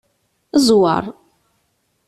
Zweṛ.